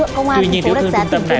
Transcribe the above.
tuy nhiên tử thương tương tâm này